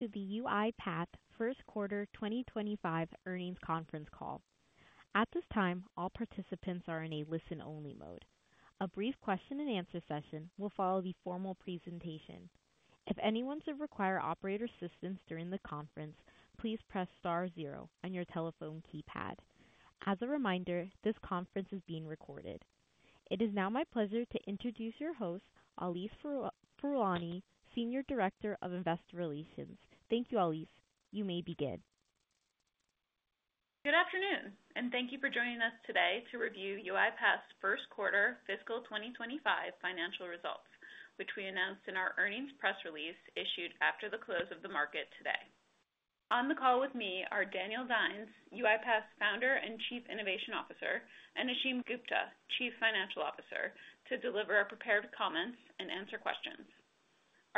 The UiPath first quarter 2025 earnings conference call. At this time, all participants are in a listen-only mode. A brief question and answer session will follow the formal presentation. If anyone should require operator assistance during the conference, please press star zero on your telephone keypad. As a reminder, this conference is being recorded. It is now my pleasure to introduce your host, Allise Furlani, Senior Director of Investor Relations. Thank you, Allise. You may begin. Good afternoon, and thank you for joining us today to review UiPath's first quarter fiscal 2025 financial results, which we announced in our earnings press release issued after the close of the market today. On the call with me are Daniel Dines, UiPath's Founder and Chief Innovation Officer, and Ashim Gupta, Chief Financial Officer, to deliver our prepared comments and answer questions.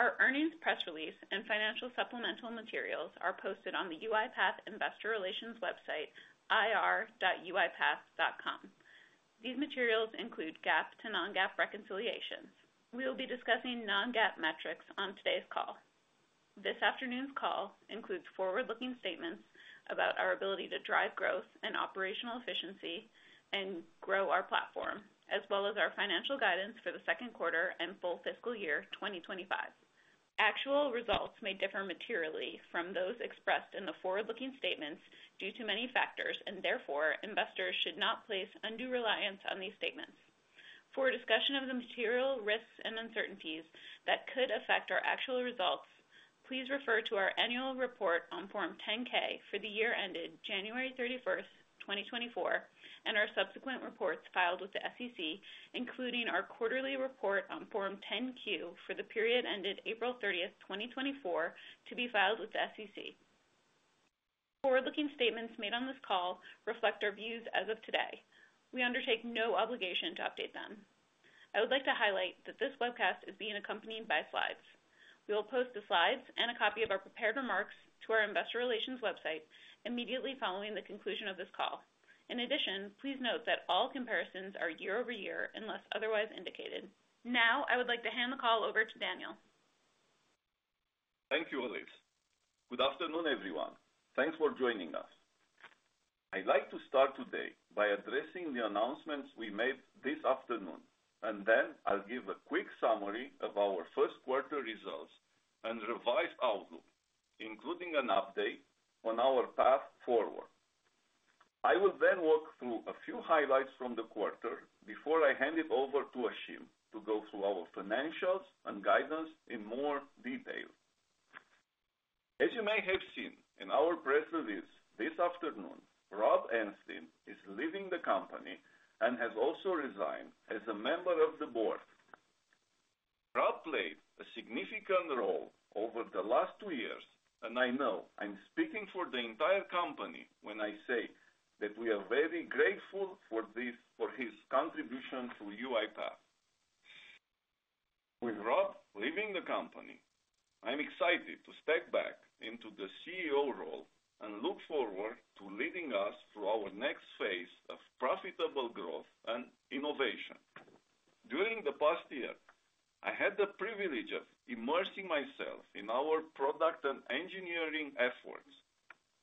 Our earnings press release and financial supplemental materials are posted on the UiPath Investor Relations website, ir.uipath.com. These materials include GAAP to non-GAAP reconciliations. We will be discussing non-GAAP metrics on today's call. This afternoon's call includes forward-looking statements about our ability to drive growth and operational efficiency and grow our platform, as well as our financial guidance for the second quarter and full fiscal year 2025. Actual results may differ materially from those expressed in the forward-looking statements due to many factors, and therefore, investors should not place undue reliance on these statements. For a discussion of the material risks and uncertainties that could affect our actual results, please refer to our Annual Report on Form 10-K for the year ended January 31, 2024, and our subsequent reports filed with the SEC, including our quarterly report on Form 10-Q for the period ended April 30, 2024, to be filed with the SEC. Forward-looking statements made on this call reflect our views as of today. We undertake no obligation to update them. I would like to highlight that this webcast is being accompanied by slides. We will post the slides and a copy of our prepared remarks to our investor relations website immediately following the conclusion of this call. In addition, please note that all comparisons are year-over-year, unless otherwise indicated. Now, I would like to hand the call over to Daniel. Thank you, Allise. Good afternoon, everyone. Thanks for joining us. I'd like to start today by addressing the announcements we made this afternoon, and then I'll give a quick summary of our first quarter results and revised outlook, including an update on our path forward. I will then walk through a few highlights from the quarter before I hand it over to Ashim to go through our financials and guidance in more detail. As you may have seen in our press release this afternoon, Rob Enslin is leaving the company and has also resigned as a member of the Board. Rob played a significant role over the last two years, and I know I'm speaking for the entire company when I say that we are very grateful for his contribution to UiPath. With Rob leaving the company, I'm excited to step back into the CEO role and look forward to leading us through our next phase of profitable growth and innovation. During the past year, I had the privilege of immersing myself in our product and engineering efforts.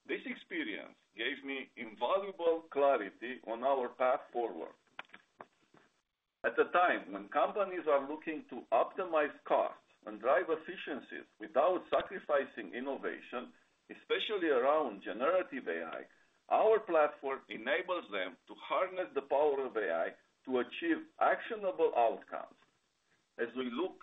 This experience gave me invaluable clarity on our path forward. At a time when companies are looking to optimize costs and drive efficiencies without sacrificing innovation, especially around generative AI, our platform enables them to harness the power of AI to achieve actionable outcomes. As we look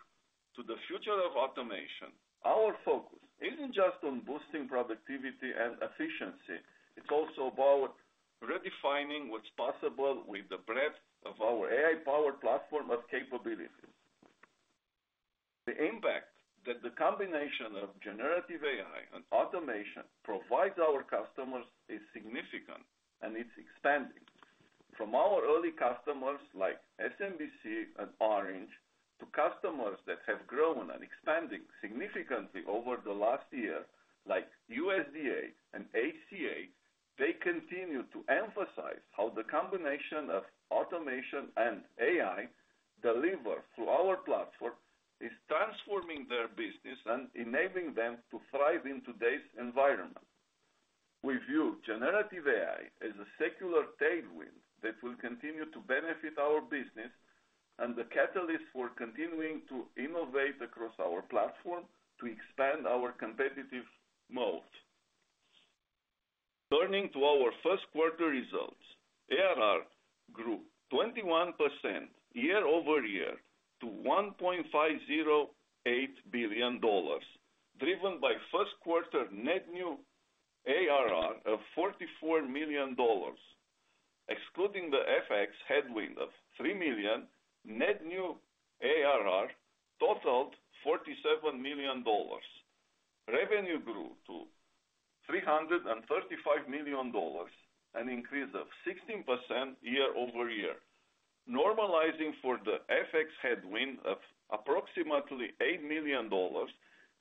to the future of automation, our focus isn't just on boosting productivity and efficiency, it's also about redefining what's possible with the breadth of our AI-powered platform of capabilities. The impact that the combination of generative AI and automation provides our customers is significant, and it's expanding. From our early customers like SMBC and Orange, to customers that have grown and expanding significantly over the last year, like USDA and HCA, they continue to emphasize how the combination of automation and AI delivered through our platform is transforming their business and enabling them to thrive in today's environment. We view generative AI as a secular tailwind that will continue to benefit our business and the catalyst for continuing to innovate across our platform to expand our competitive moat. Turning to our first quarter results, ARR grew 21% year-over-year to $1.508 billion, driven by first quarter net new ARR of $44 million. Excluding the FX headwind of $3 million, net new ARR totaled $47 million. Revenue grew to $335 million, an increase of 16% year-over-year. Normalizing for the FX headwind of approximately $8 million,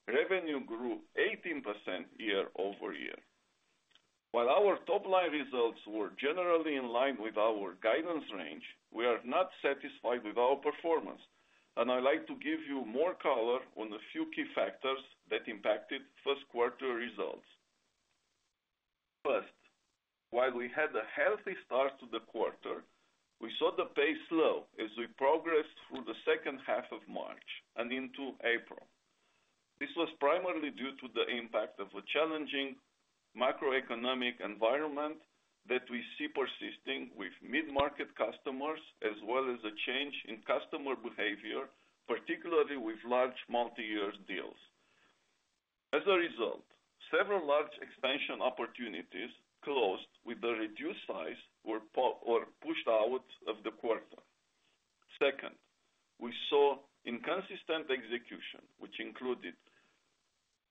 revenue grew 18% year-over-year. While our top line results were generally in line with our guidance range, we are not satisfied with our performance, and I'd like to give you more color on the few key factors that impacted first quarter results. First, while we had a healthy start to the quarter, we saw the pace slow as we progressed through the second half of March and into April. This was primarily due to the impact of a challenging macroeconomic environment that we see persisting with mid-market customers, as well as a change in customer behavior, particularly with large multi-year deals. As a result, several large expansion opportunities closed with a reduced size or pushed out of the quarter. Second, we saw inconsistent execution, which included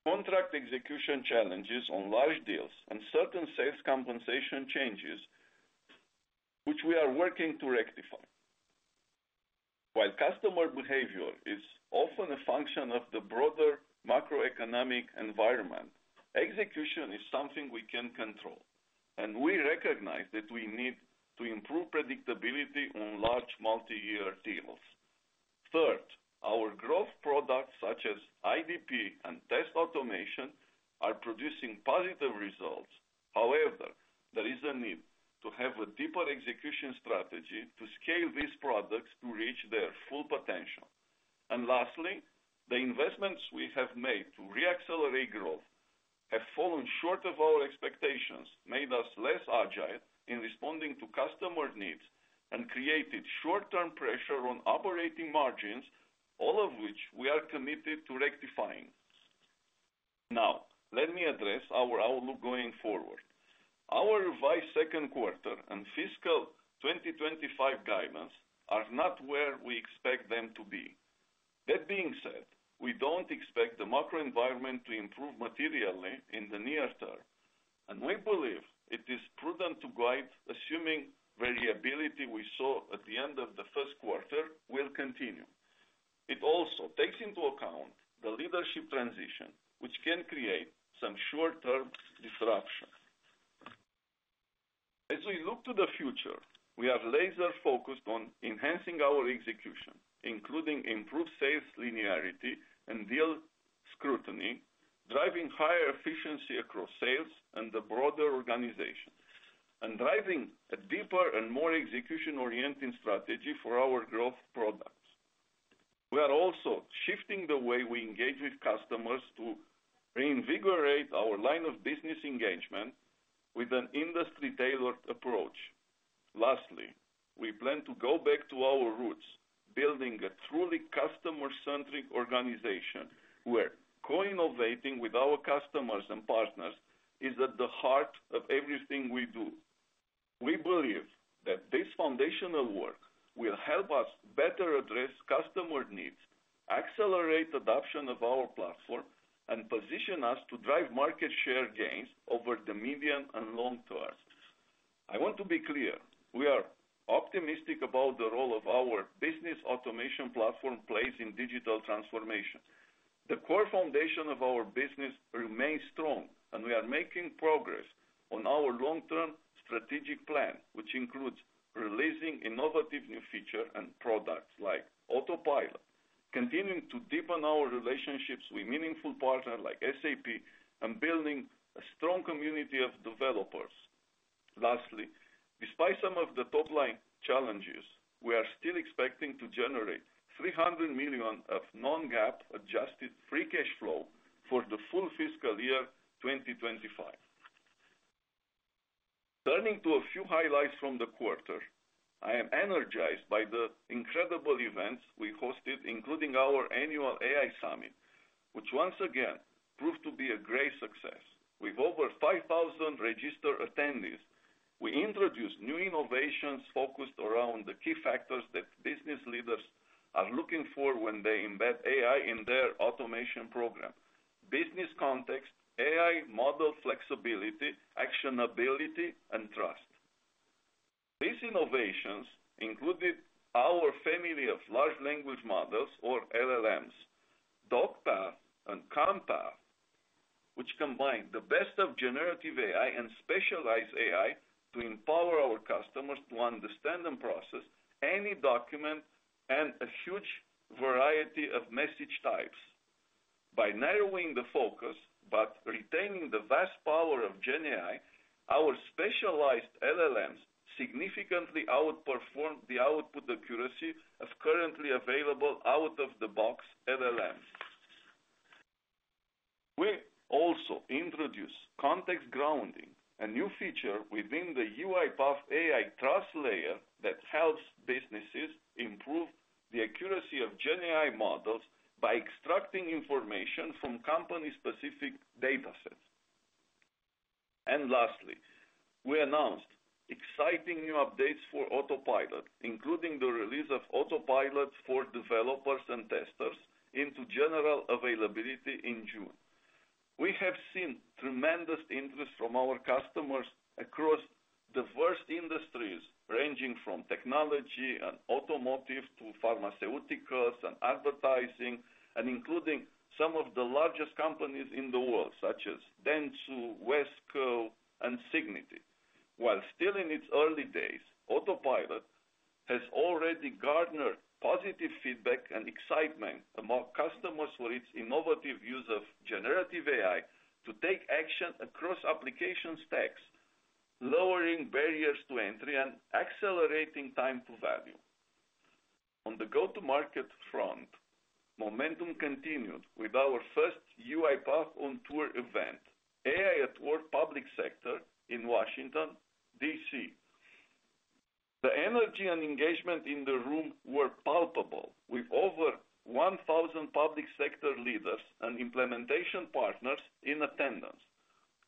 contract execution challenges on large deals and certain sales compensation changes, which we are working to rectify. While customer behavior is often a function of the broader macroeconomic environment, execution is something we can control, and we recognize that we need to improve predictability on large multi-year deals. Third, our growth products, such as IDP and test automation, are producing positive results. However, there is a need to have a deeper execution strategy to scale these products to reach their full potential. And lastly, the investments we have made to re-accelerate growth have fallen short of our expectations, made us less agile in responding to customer needs, and created short-term pressure on operating margins, all of which we are committed to rectifying. Now, let me address our outlook going forward. Our revised second quarter and fiscal 2025 guidance are not where we expect them to be. That being said, we don't expect the macro environment to improve materially in the near term, and we believe it is prudent to guide, assuming variability we saw at the end of the first quarter will continue. It also takes into account the leadership transition, which can create some short-term disruptions. As we look to the future, we are laser-focused on enhancing our execution, including improved sales linearity and deal scrutiny, driving higher efficiency across sales and the broader organization, and driving a deeper and more execution-orienting strategy for our growth products. We are also shifting the way we engage with customers to reinvigorate our line of business engagement with an industry-tailored approach. Lastly, we plan to go back to our roots, building a truly customer-centric organization, where co-innovating with our customers and partners is at the heart of everything we do. We believe that this foundational work will help us better address customer needs, accelerate adoption of our platform, and position us to drive market share gains over the medium and long terms. I want to be clear, we are optimistic about the role of our Business Automation Platform plays in digital transformation. The core foundation of our business remains strong, and we are making progress on our long-term strategic plan, which includes releasing innovative new feature and products like Autopilot, continuing to deepen our relationships with meaningful partners like SAP, and building a strong community of developers. Lastly, despite some of the top-line challenges, we are still expecting to generate $300 million of non-GAAP adjusted free cash flow for the full fiscal year 2025. Turning to a few highlights from the quarter, I am energized by the incredible events we hosted, including our annual AI Summit, which once again proved to be a great success. With over 5,000 registered attendees, we introduced new innovations focused around the key factors that business leaders are looking for when they embed AI in their automation program. Business context, AI model flexibility, actionability, and trust. These innovations included our family of large language models, or LLMs, DocPath and CommPath, which combine the best of generative AI and specialized AI to empower our customers to understand and process any document and a huge variety of message types. By narrowing the focus but retaining the vast power of GenAI, our specialized LLMs significantly outperform the output accuracy of currently available out-of-the-box LLMs. We also introduced Context Grounding, a new feature within the UiPath AI Trust Layer that helps businesses improve the accuracy of GenAI models by extracting information from company-specific datasets. And lastly, we announced exciting new updates for Autopilot, including the release of Autopilot for Developers and Testers into general availability in June. We have seen tremendous interest from our customers across diverse industries, ranging from technology and automotive to pharmaceuticals and advertising, and including some of the largest companies in the world, such as Dentsu, Wesco, and Cigniti. While still in its early days, Autopilot has already garnered positive feedback and excitement among customers for its innovative use of generative AI to take action across application stacks, lowering barriers to entry and accelerating time to value. On the go-to-market front, momentum continued with our first UiPath On Tour event, AI at Work Public Sector, in Washington, D.C. The energy and engagement in the room were palpable. With over 1,000 public sector leaders and implementation partners in attendance,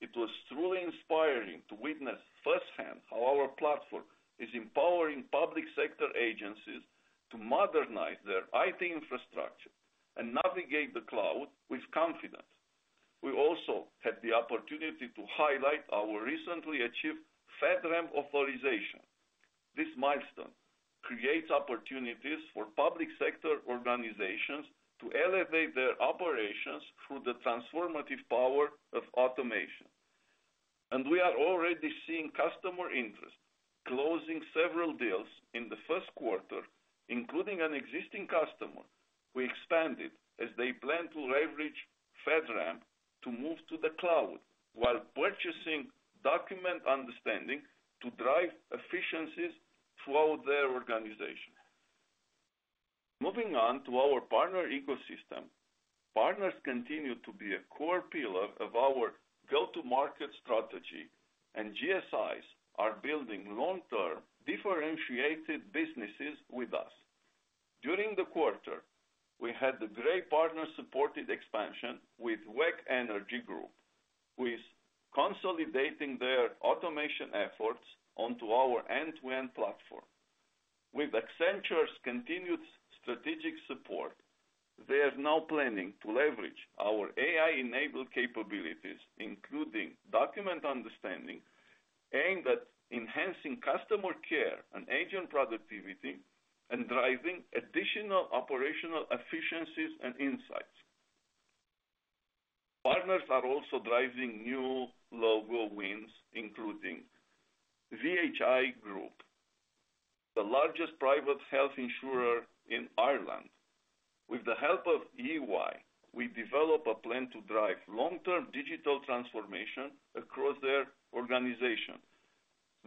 it was truly inspiring to witness firsthand how our platform is empowering public sector agencies to modernize their IT infrastructure and navigate the cloud with confidence. We also had the opportunity to highlight our recently achieved FedRAMP authorization. This milestone creates opportunities for public sector organizations to elevate their operations through the transformative power of automation. And we are already seeing customer interest, closing several deals in the first quarter, including an existing customer. We expanded as they plan to leverage FedRAMP to move to the cloud while purchasing Document Understanding to drive efficiencies throughout their organization. Moving on to our partner ecosystem. Partners continue to be a core pillar of our go-to-market strategy, and GSIs are building long-term, differentiated businesses with us. During the quarter, we had a great partner-supported expansion with WEG Energy Group, who is consolidating their automation efforts onto our end-to-end platform. With Accenture's continued strategic support, they are now planning to leverage our AI-enabled capabilities, including Document Understanding, aimed at enhancing customer care and agent productivity, and driving additional operational efficiencies and insights. Partners are also driving new logo wins, including Vhi Group, the largest private health insurer in Ireland. With the help of EY, we developed a plan to drive long-term digital transformation across their organization.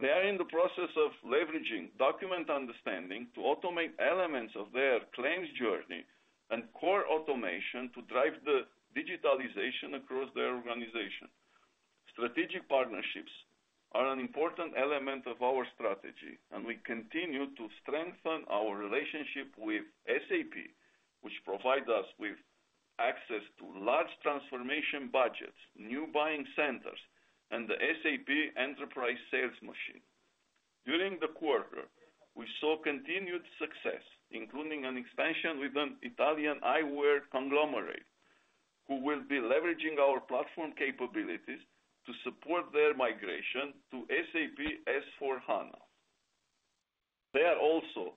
They are in the process of leveraging Document Understanding to automate elements of their claims journey and core automation to drive the digitalization across their organization. Strategic partnerships are an important element of our strategy, and we continue to strengthen our relationship with SAP, which provides us with access to large transformation budgets, new buying centers, and the SAP enterprise sales machine. During the quarter, we saw continued success, including an expansion with an Italian eyewear conglomerate, who will be leveraging our platform capabilities to support their migration to SAP S/4HANA. They are also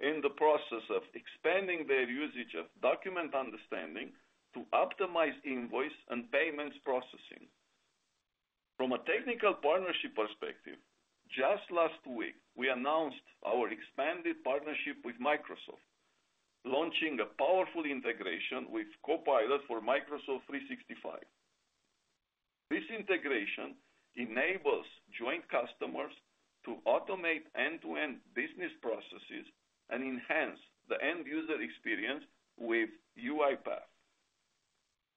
in the process of expanding their usage of Document Understanding to optimize invoice and payments processing. From a technical partnership perspective, just last week, we announced our expanded partnership with Microsoft, launching a powerful integration with Copilot for Microsoft 365. This integration enables joint customers to automate end-to-end business processes and enhance the end-user experience with UiPath.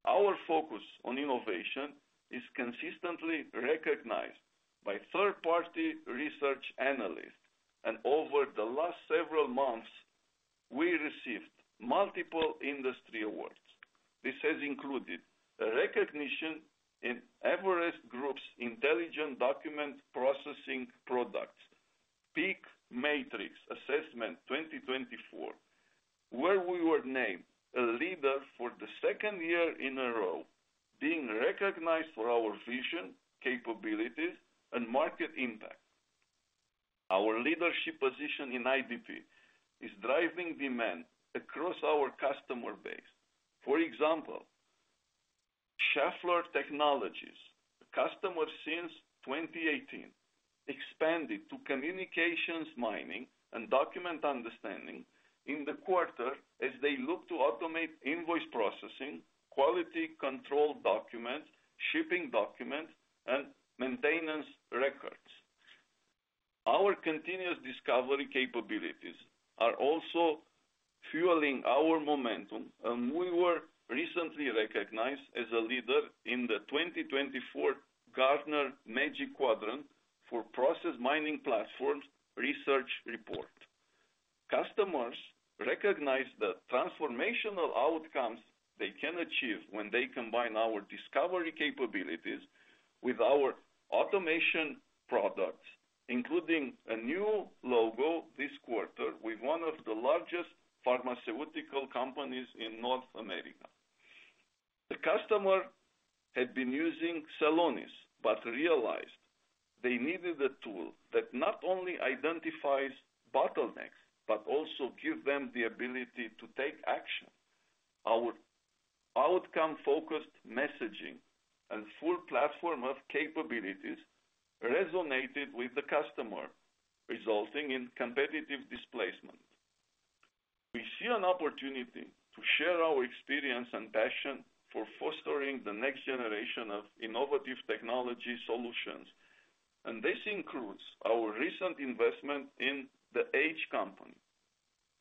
Our focus on innovation is consistently recognized by third-party research analysts, and over the last several months, we received multiple industry awards. This has included a recognition in Everest Group's Intelligent Document Processing Products PEAK Matrix Assessment 2024, where we were named a leader for the second year in a row, being recognized for our vision, capabilities, and market impact. Our leadership position in IDP is driving demand across our customer base. For example, Schaeffler Technologies, a customer since 2018, expanded to Communications Mining and Document Understanding in the quarter as they look to automate invoice processing, quality control documents, shipping documents, and maintenance records. Our Continuous Discovery capabilities are also fueling our momentum, and we were recently recognized as a leader in the 2024 Gartner Magic Quadrant for Process Mining Platforms Research Report. Customers recognize the transformational outcomes they can achieve when they combine our discovery capabilities with our automation products, including a new logo this quarter with one of the largest pharmaceutical companies in North America.... The customer had been using Celonis, but realized they needed a tool that not only identifies bottlenecks, but also give them the ability to take action. Our outcome-focused messaging and full platform of capabilities resonated with the customer, resulting in competitive displacement. We see an opportunity to share our experience and passion for fostering the next generation of innovative technology solutions, and this includes our recent investment in the H Company.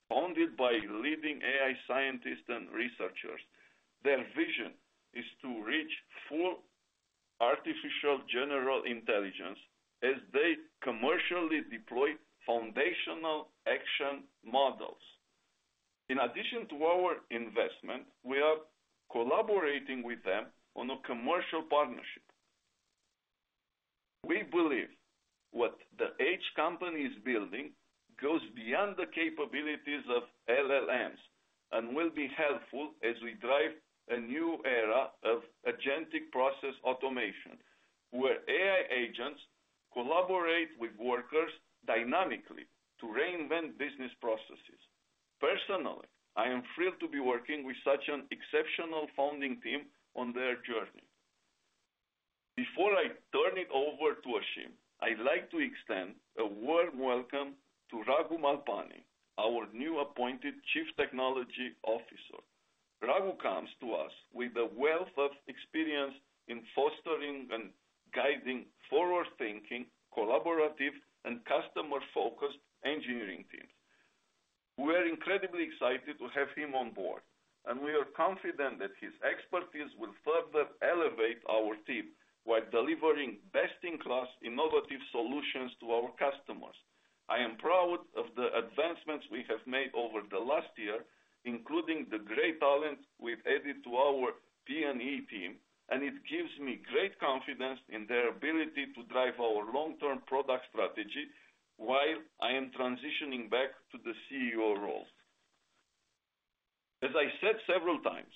Founded by leading AI scientists and researchers, their vision is to reach full artificial general intelligence as they commercially deploy foundational action models. In addition to our investment, we are collaborating with them on a commercial partnership. We believe what the H Company is building goes beyond the capabilities of LLMs and will be helpful as we drive a new era of Agentic Process Automation, where AI agents collaborate with workers dynamically to reinvent business processes. Personally, I am thrilled to be working with such an exceptional founding team on their journey. Before I turn it over to Ashim, I'd like to extend a warm welcome to Raghu Malpani, our new appointed Chief Technology Officer. Raghu comes to us with a wealth of experience in fostering and guiding forward-thinking, collaborative, and customer-focused engineering teams. We're incredibly excited to have him on Board, and we are confident that his expertise will further elevate our team while delivering best-in-class innovative solutions to our customers. I am proud of the advancements we have made over the last year, including the great talent we've added to our P&E team, and it gives me great confidence in their ability to drive our long-term product strategy while I am transitioning back to the CEO role. As I said several times,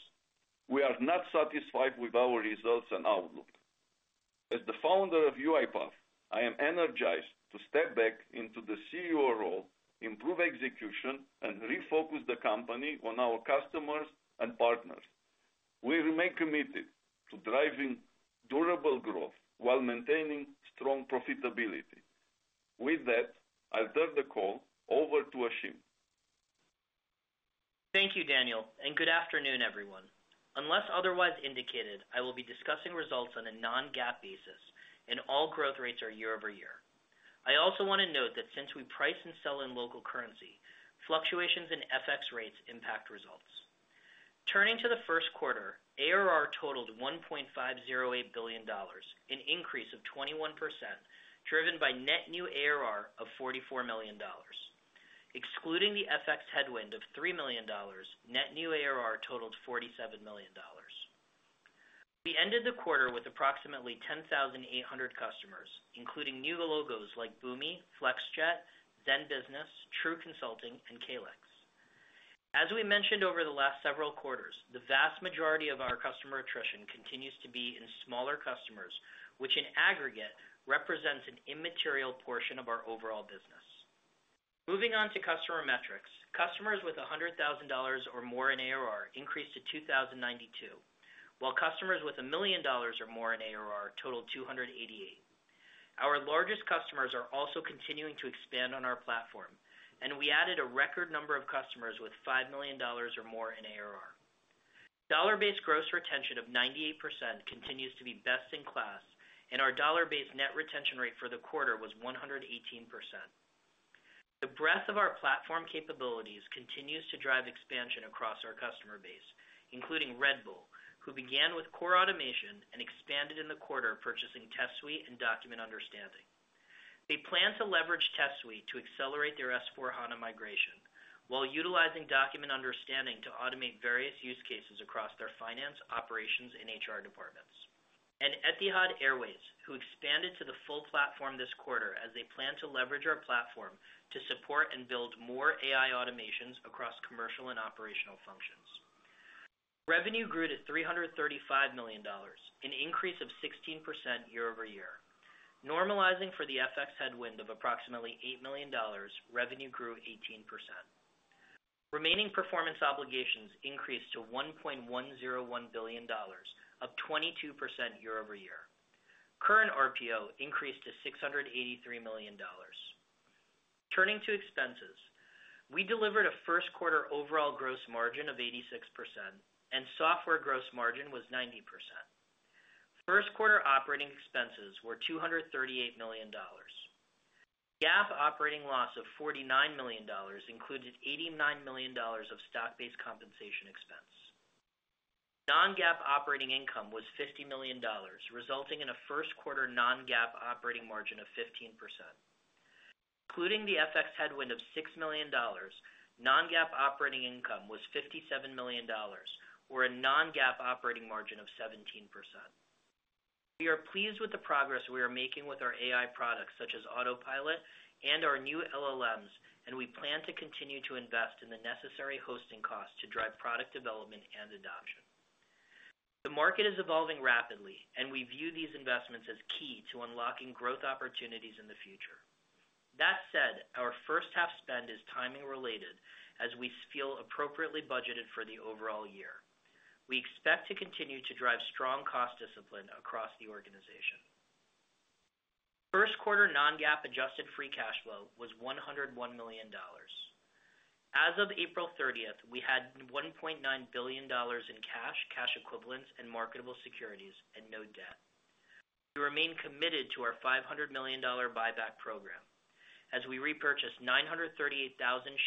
we are not satisfied with our results and outlook. As the founder of UiPath, I am energized to step back into the CEO role, improve execution, and refocus the company on our customers and partners. We remain committed to driving durable growth while maintaining strong profitability. With that, I'll turn the call over to Ashim. Thank you, Daniel, and good afternoon, everyone. Unless otherwise indicated, I will be discussing results on a non-GAAP basis, and all growth rates are year-over-year. I also want to note that since we price and sell in local currency, fluctuations in FX rates impact results. Turning to the first quarter, ARR totaled $1.508 billion, an increase of 21%, driven by net new ARR of $44 million. Excluding the FX headwind of $3 million, net new ARR totaled $47 million. We ended the quarter with approximately 10,800 customers, including new logos like Boomi, Flexjet, ZenBusiness, Tru Consulting, and Calix. As we mentioned over the last several quarters, the vast majority of our customer attrition continues to be in smaller customers, which in aggregate represents an immaterial portion of our overall business. Moving on to customer metrics. Customers with $100,000 or more in ARR increased to 2,092, while customers with $1 million or more in ARR totaled 288. Our largest customers are also continuing to expand on our platform, and we added a record number of customers with $5 million or more in ARR. Dollar-based gross retention of 98% continues to be best in class, and our dollar-based net retention rate for the quarter was 118%. The breadth of our platform capabilities continues to drive expansion across our customer base, including Red Bull, who began with core automation and expanded in the quarter, purchasing Test Suite and Document Understanding. They plan to leverage Test Suite to accelerate their S/4HANA migration, while utilizing Document Understanding to automate various use cases across their finance, operations, and HR departments. And Etihad Airways, who expanded to the full platform this quarter as they plan to leverage our platform to support and build more AI automations across commercial and operational functions. Revenue grew to $335 million, an increase of 16% year-over-year. Normalizing for the FX headwind of approximately $8 million, revenue grew 18%. Remaining performance obligations increased to $1.101 billion, up 22% year-over-year. Current RPO increased to $683 million. Turning to expenses. We delivered a first quarter overall gross margin of 86%, and software gross margin was 90%. First quarter operating expenses were $238 million. GAAP operating loss of $49 million included $89 million of stock-based compensation expense. Non-GAAP operating income was $50 million, resulting in a first quarter non-GAAP operating margin of 15%. Including the FX headwind of $6 million, non-GAAP operating income was $57 million, or a non-GAAP operating margin of 17%. We are pleased with the progress we are making with our AI products, such as Autopilot and our new LLMs, and we plan to continue to invest in the necessary hosting costs to drive product development and adoption. The market is evolving rapidly, and we view these investments as key to unlocking growth opportunities in the future. That said, our first half spend is timing related, as we feel appropriately budgeted for the overall year. We expect to continue to drive strong cost discipline across the organization. First quarter non-GAAP adjusted free cash flow was $101 million. As of April 30, we had $1.9 billion in cash, cash equivalents, and marketable securities, and no debt. We remain committed to our $500 million buyback program, as we repurchased 938,000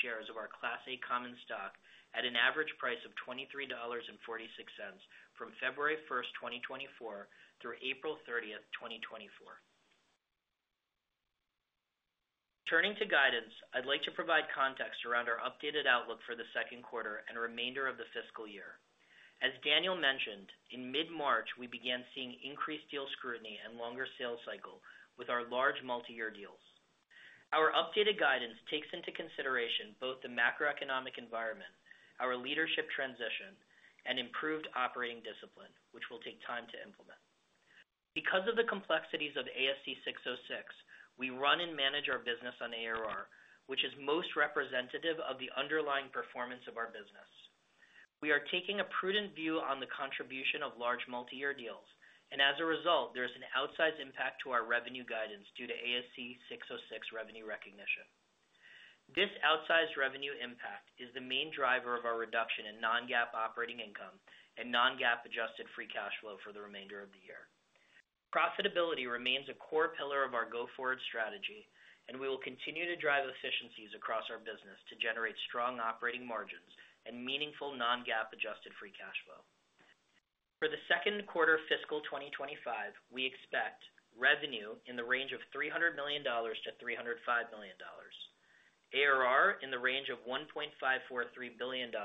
shares of our Class A common stock at an average price of $23.46 from February 1, 2024, through April 30, 2024. Turning to guidance, I'd like to provide context around our updated outlook for the second quarter and remainder of the fiscal year. As Daniel mentioned, in mid-March, we began seeing increased deal scrutiny and longer sales cycle with our large multi-year deals. Our updated guidance takes into consideration both the macroeconomic environment, our leadership transition, and improved operating discipline, which will take time to implement. Because of the complexities of ASC 606, we run and manage our business on ARR, which is most representative of the underlying performance of our business. We are taking a prudent view on the contribution of large multi-year deals, and as a result, there is an outsized impact to our revenue guidance due to ASC 606 revenue recognition. This outsized revenue impact is the main driver of our reduction in non-GAAP operating income and non-GAAP adjusted free cash flow for the remainder of the year. Profitability remains a core pillar of our go-forward strategy, and we will continue to drive efficiencies across our business to generate strong operating margins and meaningful non-GAAP adjusted free cash flow. For the second quarter of fiscal 2025, we expect revenue in the range of $300 million-$305 million, ARR in the range of $1.543 billion-$1.548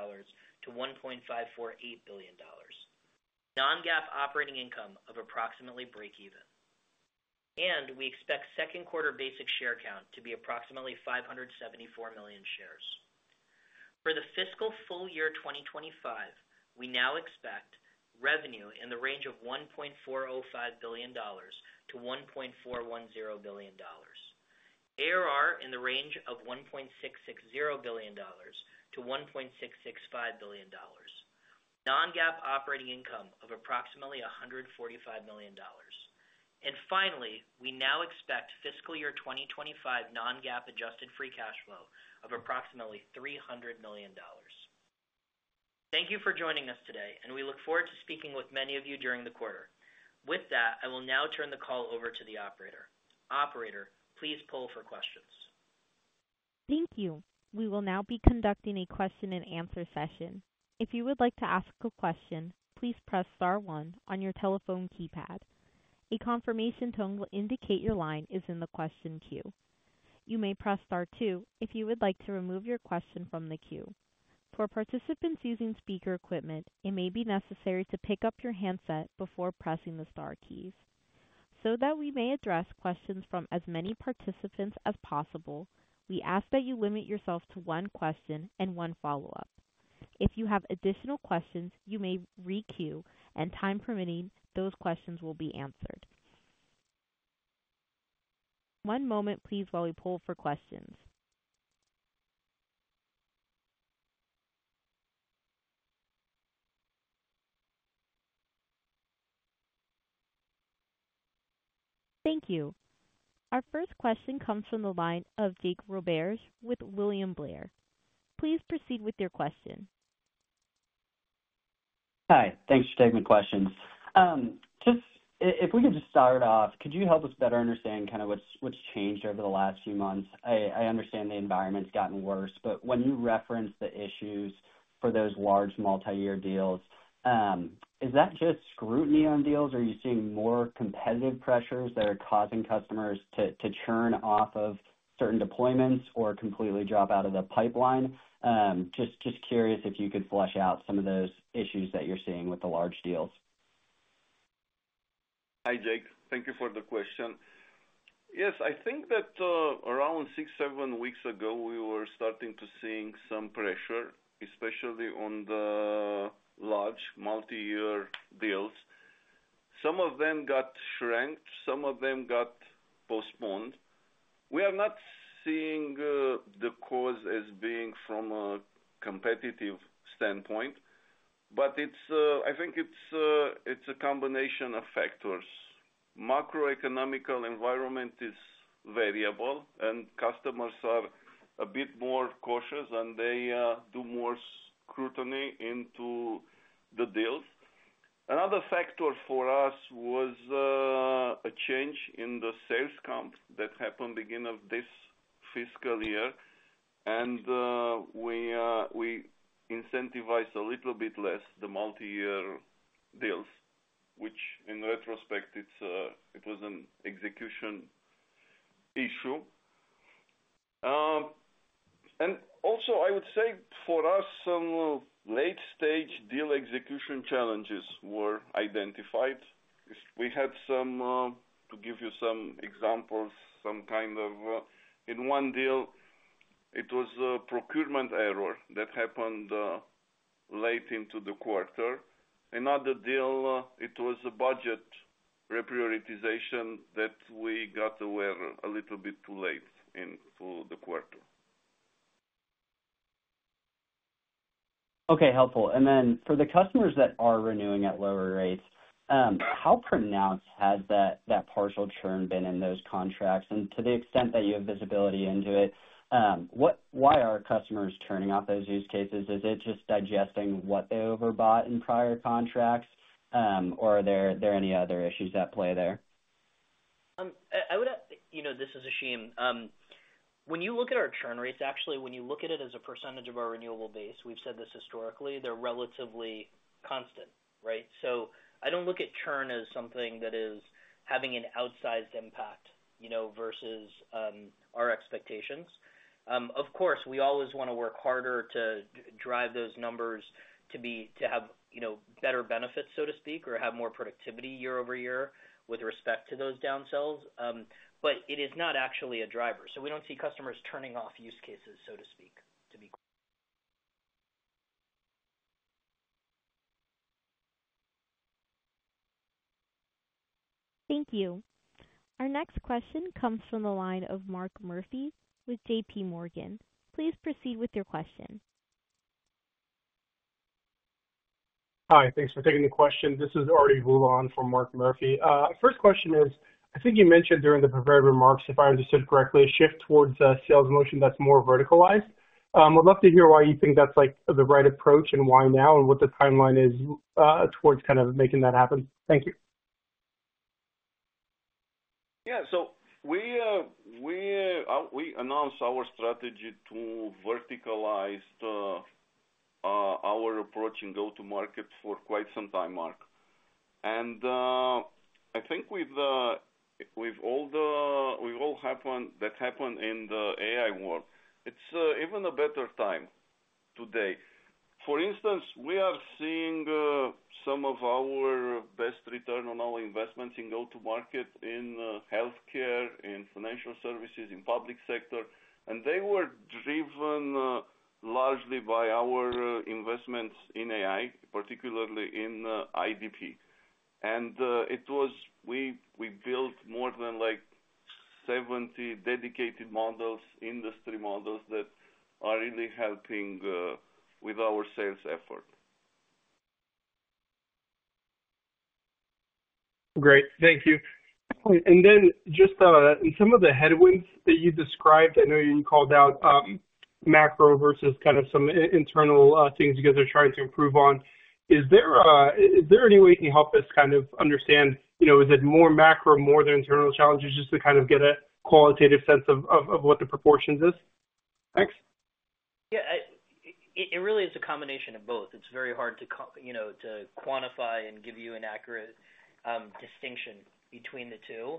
billion, non-GAAP operating income of approximately breakeven. We expect second quarter basic share count to be approximately 574 million shares. For the fiscal full year 2025, we now expect revenue in the range of $1.405 billion-$1.410 billion. ARR in the range of $1.660 billion-$1.665 billion. Non-GAAP operating income of approximately $145 million. Finally, we now expect fiscal year 2025 non-GAAP adjusted free cash flow of approximately $300 million. Thank you for joining us today, and we look forward to speaking with many of you during the quarter. With that, I will now turn the call over to the operator. Operator, please poll for questions. Thank you. We will now be conducting a question-and-answer session. If you would like to ask a question, please press star one on your telephone keypad. A confirmation tone will indicate your line is in the question queue. You may press star two if you would like to remove your question from the queue. For participants using speaker equipment, it may be necessary to pick up your handset before pressing the star keys. So that we may address questions from as many participants as possible, we ask that you limit yourself to one question and one follow-up. If you have additional questions, you may re-queue, and time permitting, those questions will be answered. One moment, please, while we poll for questions. Thank you. Our first question comes from the line of Jake Roberge with William Blair. Please proceed with your question. Hi, thanks for taking the questions. Just if we could just start off, could you help us better understand kind of what's changed over the last few months? I understand the environment's gotten worse, but when you reference the issues for those large multi-year deals, is that just scrutiny on deals, or are you seeing more competitive pressures that are causing customers to churn off of certain deployments or completely drop out of the pipeline? Just curious if you could flesh out some of those issues that you're seeing with the large deals. Hi, Jake. Thank you for the question. Yes, I think that around six, seven weeks ago, we were starting to seeing some pressure, especially on the large multi-year deals. Some of them got shrank, some of them got postponed. We are not seeing the cause as being from a competitive standpoint, but it's I think it's a combination of factors. Macroeconomic environment is variable and customers are a bit more cautious, and they do more scrutiny into the deals. Another factor for us was a change in the sales comp that happened beginning of this fiscal year, and we incentivized a little bit less the multi-year deals, which in retrospect, it's it was an execution issue. Also, I would say for us, some late-stage deal execution challenges were identified. To give you some examples, in one deal, it was a procurement error that happened late into the quarter. Another deal, it was a budget reprioritization that we got aware a little bit too late in through the quarter. Okay, helpful. And then for the customers that are renewing at lower rates, how pronounced has that partial churn been in those contracts? And to the extent that you have visibility into it, why are customers turning off those use cases? Is it just digesting what they overbought in prior contracts, or are there any other issues at play there? I would add, you know, this is Ashim. When you look at our churn rates, actually, when you look at it as a percentage of our renewable base, we've said this historically, they're relatively constant, right? So I don't look at churn as something that is having an outsized impact, you know, versus our expectations. Of course, we always want to work harder to drive those numbers to be, to have, you know, better benefits, so to speak, or have more productivity year-over-year with respect to those downsells. But it is not actually a driver, so we don't see customers turning off use cases, so to speak, to be- Thank you. Our next question comes from the line of Mark Murphy with JPMorgan. Please proceed with your question. Hi, thanks for taking the question. This is Arti Vula for Mark Murphy. First question is, I think you mentioned during the prepared remarks, if I understood correctly, a shift towards a sales motion that's more verticalized. I'd love to hear why you think that's, like, the right approach and why now and what the timeline is, towards kind of making that happen. Thank you. Yeah. So we announced our strategy to verticalize our approach in go-to-market for quite some time, Mark. And I think with all that happened in the AI world, it's even a better time today. For instance, we are seeing some of our best return on our investments in go-to-market, in healthcare, in financial services, in public sector, and they were driven largely by our investments in AI, particularly in IDP. And it was... We built more than, like, 70 dedicated models, industry models, that are really helping with our sales effort. Great. Thank you. And then just, in some of the headwinds that you described, I know you called out, macro versus kind of some internal things you guys are trying to improve on. Is there, is there any way you can help us kind of understand, you know, is it more macro, more the internal challenges, just to kind of get a qualitative sense of what the proportions is? Thanks. Yeah, it really is a combination of both. It's very hard to, you know, quantify and give you an accurate distinction between the two.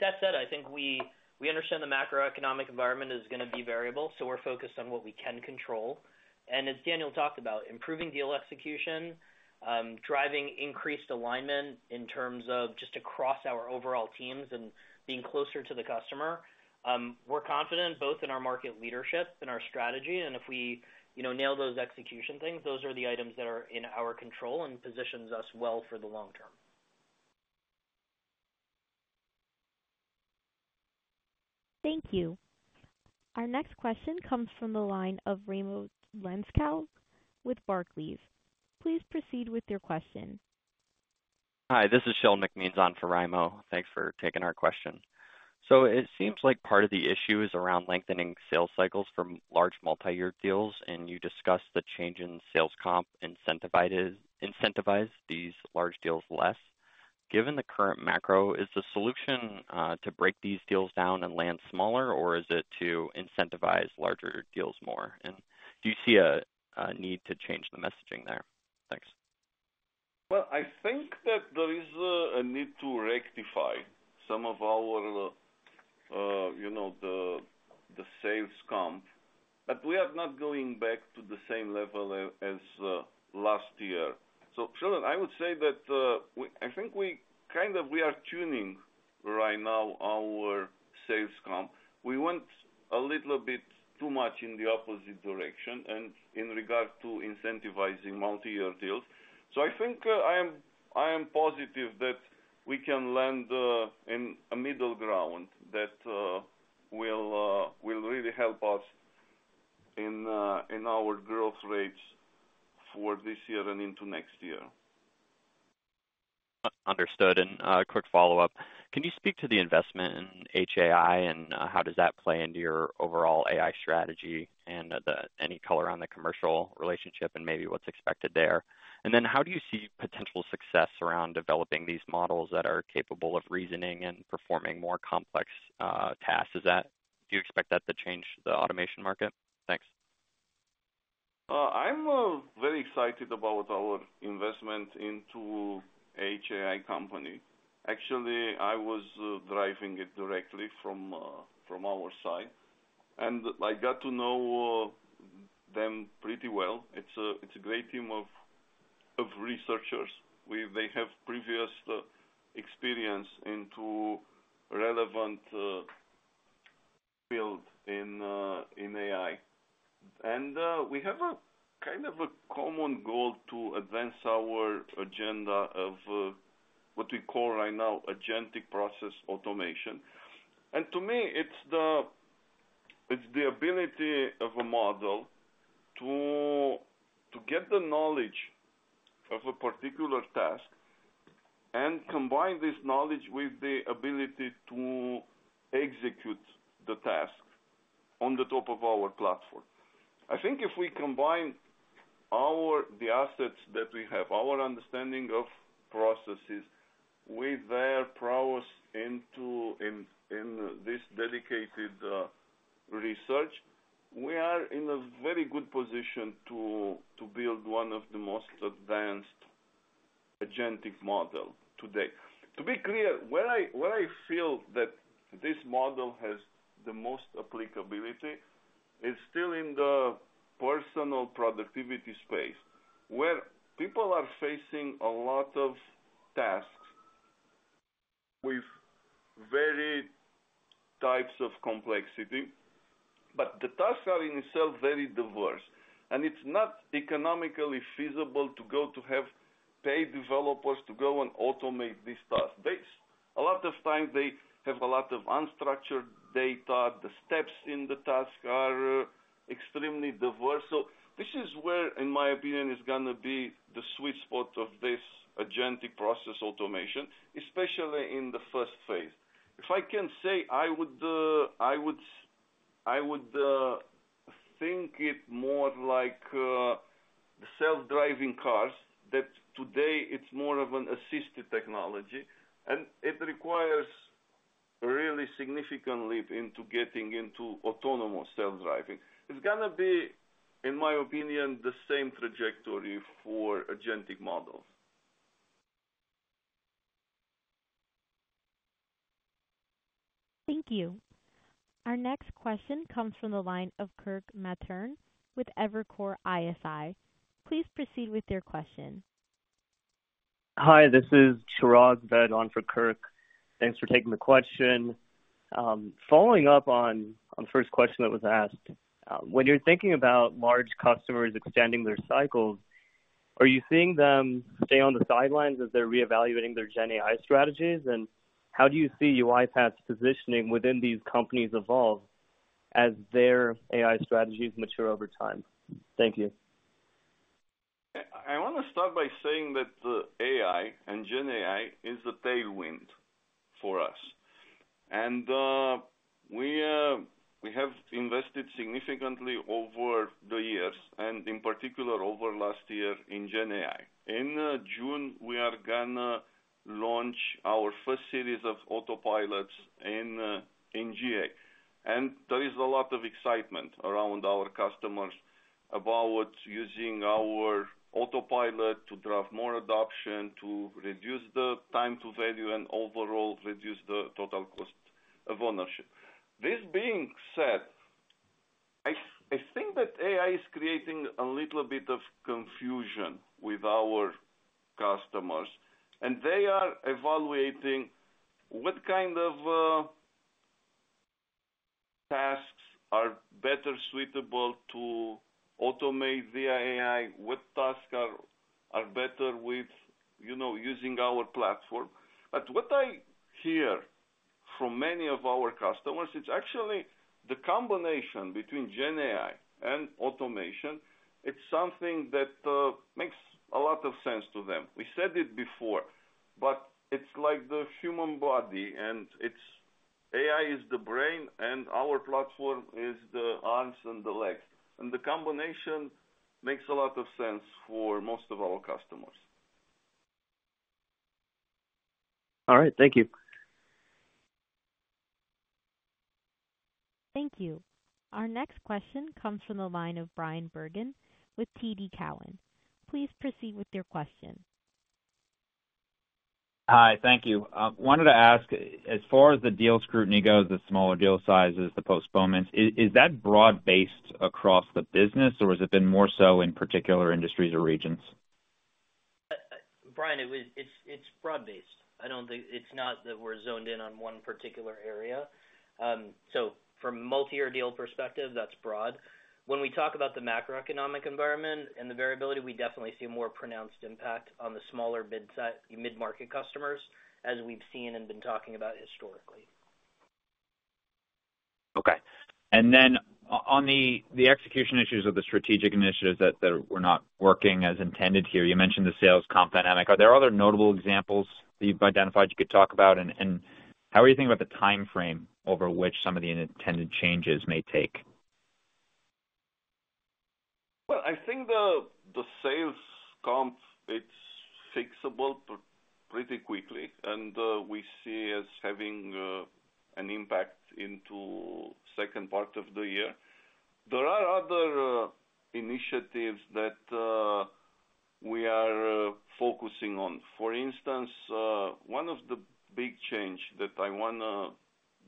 That said, I think we understand the macroeconomic environment is going to be variable, so we're focused on what we can control. And as Daniel talked about, improving deal execution, driving increased alignment in terms of just across our overall teams and being closer to the customer. We're confident both in our market leadership and our strategy, and if we, you know, nail those execution things, those are the items that are in our control and positions us well for the long term. Thank you. Our next question comes from the line of Raimo Lenschow with Barclays. Please proceed with your question. Hi, this is Sheldon McMeans on for Raimo. Thanks for taking our question. So it seems like part of the issue is around lengthening sales cycles for large multi-year deals, and you discussed the change in sales comp, incentivized, incentivize these large deals less. Given the current macro, is the solution to break these deals down and land smaller, or is it to incentivize larger deals more? And do you see a need to change the messaging there? Thanks. Well, I think that there is a need to rectify some of our, you know, the sales comp, but we are not going back to the same level as last year. So Sheldon, I would say that we—I think we kind of are tuning right now our sales comp. We went a little bit too much in the opposite direction and in regard to incentivizing multi-year deals. So I think I am positive that we can land in a middle ground that will really help us in our growth rates for this year and into next year. Understood. And, quick follow-up: Can you speak to the investment in H.ai and, how does that play into your overall AI strategy? And, any color on the commercial relationship and maybe what's expected there. And then how do you see potential success around developing these models that are capable of reasoning and performing more complex, tasks? Is that? Do you expect that to change the automation market? Thanks. Very excited about our investment into H company. Actually, I was driving it directly from our side, and I got to know them pretty well. It's a great team of researchers. They have previous experience into relevant field in AI. And we have a kind of a common goal to advance our agenda of what we call right now Agentic Process Automation. And to me, it's the ability of a model to get the knowledge of a particular task and combine this knowledge with the ability to execute the task on the top of our platform. I think if we combine our the assets that we have, our understanding of processes with their prowess in this dedicated research, we are in a very good position to build one of the most advanced agentic model today. To be clear, where I feel that this model has the most applicability is still in the personal productivity space, where people are facing a lot of tasks with varied types of complexity, but the tasks are in itself very diverse, and it's not economically feasible to go to have paid developers to go and automate this task base. A lot of times they have a lot of unstructured data. The steps in the task are extremely diverse. So this is where, in my opinion, is gonna be the sweet spot of this Agentic Process Automation, especially in the first phase. If I can say, I would think it more like the self-driving cars, that today it's more of an assisted technology, and it requires a really significant leap into getting into autonomous self-driving. It's gonna be, in my opinion, the same trajectory for agentic models. Thank you. Our next question comes from the line of Kirk Materne with Evercore ISI. Please proceed with your question. Hi, this is Chirag Ved on for Kirk. Thanks for taking the question. Following up on, on the first question that was asked, when you're thinking about large customers extending their cycles, are you seeing them stay on the sidelines as they're reevaluating their GenAI strategies? And how do you see UiPath's positioning within these companies evolve as their AI strategies mature over time? Thank you. I wanna start by saying that AI and GenAI is a tailwind for us. And we have invested significantly over the years, and in particular, over last year in GenAI. In June, we are gonna launch our first series of Autopilots in GA. And there is a lot of excitement around our customers about using our Autopilot to drive more adoption, to reduce the time to value and overall reduce the total cost of ownership. This being said, I think that AI is creating a little bit of confusion with our customers, and they are evaluating what kind of tasks are better suitable to automate via AI, what tasks are better with, you know, using our platform. But what I hear from many of our customers, it's actually the combination between GenAI and automation. It's something that makes a lot of sense to them. We said it before, but it's like the human body, and AI is the brain, and our platform is the arms and the legs, and the combination makes a lot of sense for most of our customers. All right. Thank you. Thank you. Our next question comes from the line of Bryan Bergin with TD Cowen. Please proceed with your question. Hi, thank you. I wanted to ask, as far as the deal scrutiny goes, the smaller deal sizes, the postponements, is that broad-based across the business, or has it been more so in particular industries or regions? Brian, it's broad-based. I don't think it's not that we're zoned in on one particular area. So from a multi-year deal perspective, that's broad. When we talk about the macroeconomic environment and the variability, we definitely see a more pronounced impact on the smaller mid-market customers, as we've seen and been talking about historically. Okay. And then on the execution issues of the strategic initiatives that were not working as intended here, you mentioned the sales comp dynamic. Are there other notable examples that you've identified you could talk about? And how are you thinking about the timeframe over which some of the unintended changes may take? Well, I think the sales comp is visible pretty quickly, and we see as having an impact into second part of the year. There are other initiatives that we are focusing on. For instance, one of the big change that I want to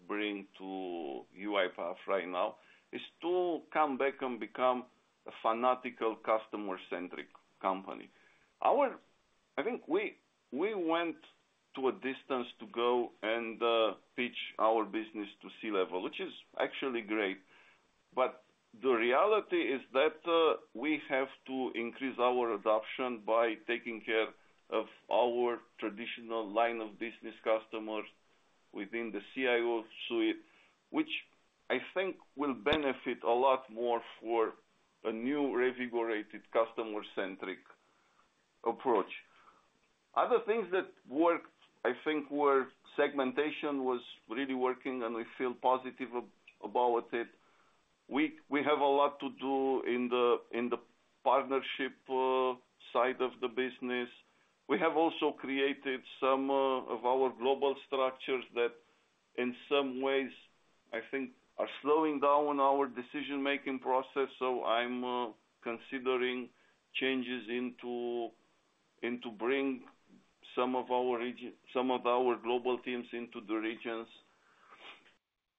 bring to UiPath right now is to come back and become a fanatical customer-centric company. Our - I think we went to a distance to go and pitch our business to C-level, which is actually great, but the reality is that we have to increase our adoption by taking care of our traditional line of business customers within the CIO suite, which I think will benefit a lot more for a new, reinvigorated, customer-centric approach. Other things that worked, I think, were segmentation was really working, and we feel positive about it. We have a lot to do in the partnership side of the business. We have also created some of our global structures that, in some ways, I think, are slowing down our decision-making process, so I'm considering changes into to bring some of our global teams into the regions.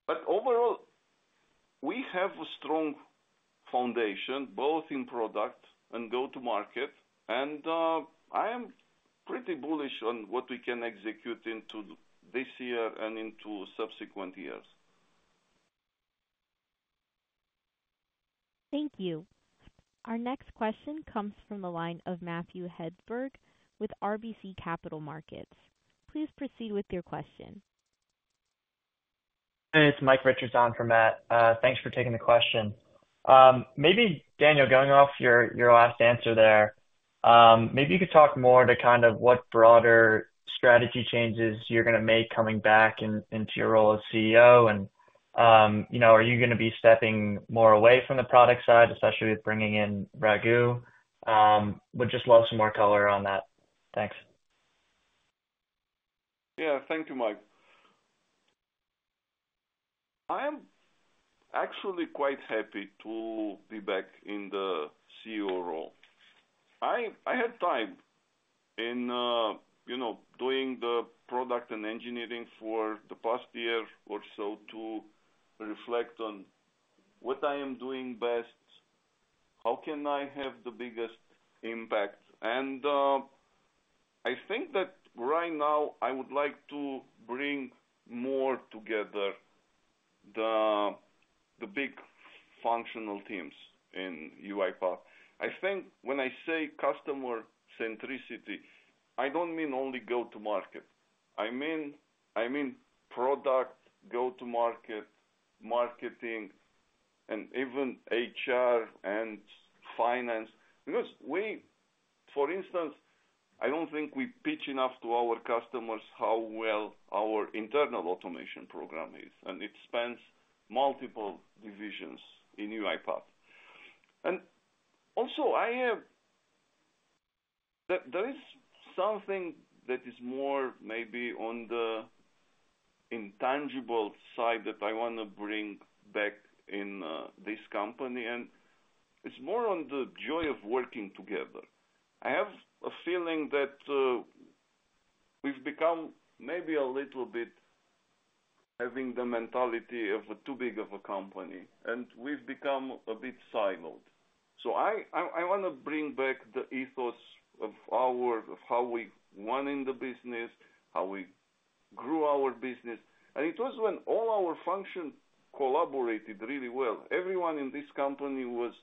But overall, we have a strong foundation, both in product and go-to-market, and I am pretty bullish on what we can execute into this year and into subsequent years. Thank you. Our next question comes from the line of Matthew Hedberg with RBC Capital Markets. Please proceed with your question. It's Mike Richards on for Matt. Thanks for taking the question. Maybe, Daniel, going off your, your last answer there, maybe you could talk more to kind of what broader strategy changes you're gonna make coming back in, into your role as CEO and, you know, are you gonna be stepping more away from the product side, especially with bringing in Raghu? Would just love some more color on that. Thanks. Yeah. Thank you, Mike. I am actually quite happy to be back in the CEO role. I had time in, you know, doing the product and engineering for the past year or so to reflect on what I am doing best, how can I have the biggest impact? And, I think that right now, I would like to bring more together the big functional teams in UiPath. I think when I say customer centricity, I don't mean only go to market. I mean, I mean, product, go to market, marketing, and even HR and finance. Because we, for instance, I don't think we pitch enough to our customers how well our internal automation program is, and it spans multiple divisions in UiPath. And also, I have... There is something that is more maybe on the intangible side that I wanna bring back in this company, and it's more on the joy of working together. I have a feeling that we've become maybe a little bit having the mentality of too big of a company, and we've become a bit siloed. So I wanna bring back the ethos of our, of how we won in the business, how we grew our business. And it was when all our functions collaborated really well. Everyone in this company was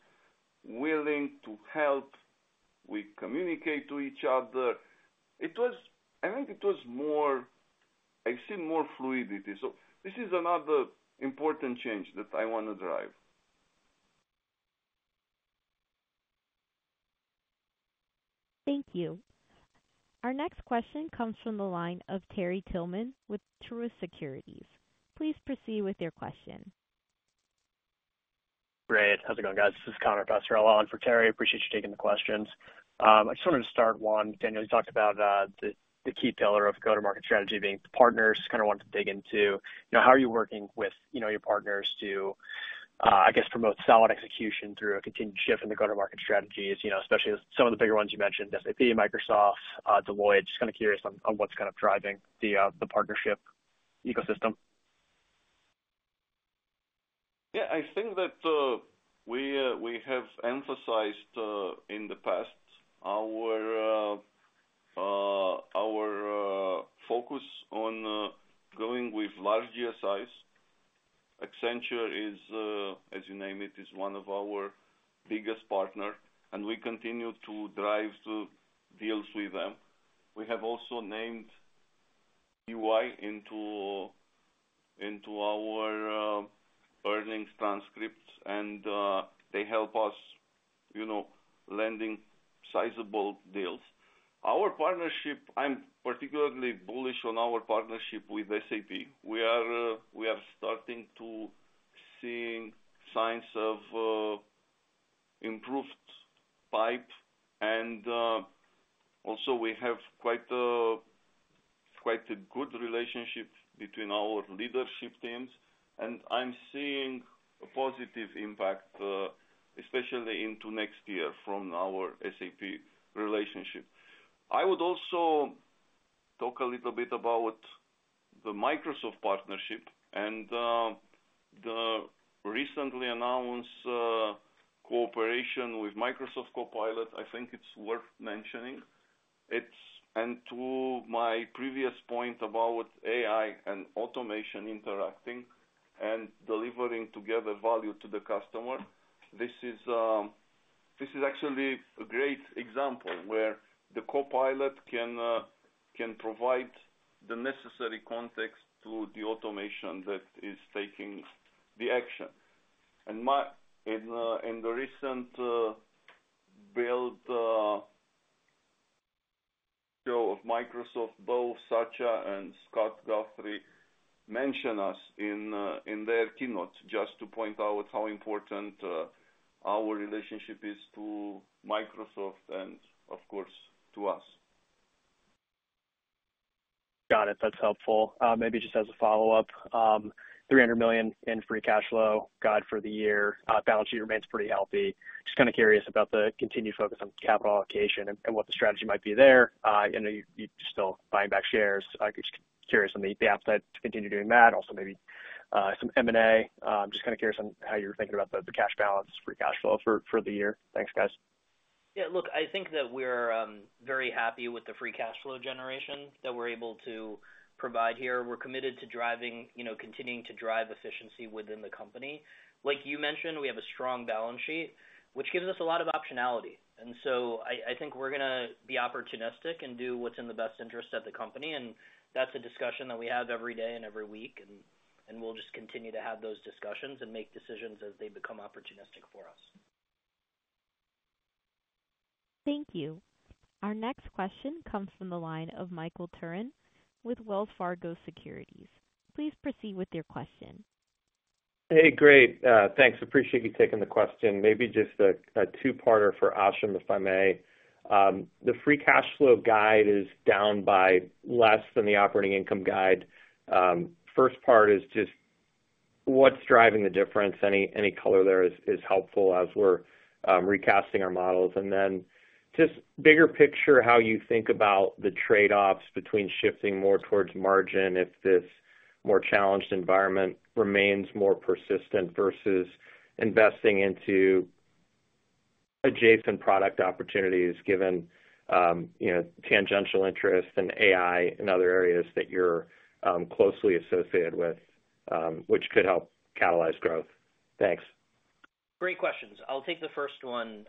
willing to help. We communicate to each other. It was... I think it was more, I see more fluidity. So this is another important change that I wanna drive. Thank you. Our next question comes from the line of Terry Tillman with Truist Securities. Please proceed with your question. Great. How's it going, guys? This is Connor Passarella on for Terry. Appreciate you taking the questions. I just wanted to start, one, Daniel, you talked about the key pillar of go-to-market strategy being the partners. Kinda wanted to dig into, you know, how are you working with, you know, your partners to, I guess, promote solid execution through a continued shift in the go-to-market strategies, you know, especially with some of the bigger ones you mentioned, SAP, Microsoft, Deloitte. Just kinda curious on, on what's kind of driving the partnership ecosystem. Yeah, I think that, we have emphasized in the past our focus on going with large GSIs. Accenture is, as you name it, one of our biggest partner, and we continue to drive through deals with them. We have also named EY into our earnings transcripts, and they help us, you know, landing sizable deals. Our partnership, I'm particularly bullish on our partnership with SAP. We are starting to seeing signs of improved pipe, and also we have quite a good relationship between our leadership teams, and I'm seeing a positive impact, especially into next year from our SAP relationship. I would also talk a little bit about the Microsoft partnership and the recently announced cooperation with Microsoft Copilot. I think it's worth mentioning. It's and to my previous point about AI and automation interacting and delivering together value to the customer, this is actually a great example where the Copilot can provide the necessary context to the automation that is taking the action. And in the recent Build show of Microsoft, both Satya and Scott Guthrie mention us in their keynote, just to point out how important our relationship is to Microsoft and of course, to us. Got it. That's helpful. Maybe just as a follow-up, $300 million in free cash flow guide for the year, balance sheet remains pretty healthy. Just kind of curious about the continued focus on capital allocation and, and what the strategy might be there. I know you, you're still buying back shares. I'm just curious on the, the upside to continue doing that, also maybe, some M&A. Just kind of curious on how you're thinking about the, the cash balance, free cash flow for, for the year. Thanks, guys. Yeah, look, I think that we're very happy with the free cash flow generation that we're able to provide here. We're committed to driving, you know, continuing to drive efficiency within the company. Like you mentioned, we have a strong balance sheet, which gives us a lot of optionality. And so I, I think we're gonna be opportunistic and do what's in the best interest of the company, and that's a discussion that we have every day and every week, and, and we'll just continue to have those discussions and make decisions as they become opportunistic for us. Thank you. Our next question comes from the line of Michael Turrin with Wells Fargo Securities. Please proceed with your question. Hey, great, thanks. Appreciate you taking the question. Maybe just a two-parter for Ashim, if I may. The free cash flow guide is down by less than the operating income guide. First part is just what's driving the difference? Any color there is helpful as we're recasting our models. And then just bigger picture, how you think about the trade-offs between shifting more towards margin, if this more challenged environment remains more persistent versus investing into adjacent product opportunities, given, you know, tangential interest and AI and other areas that you're closely associated with, which could help catalyze growth. Thanks. Great questions. I'll take the first one,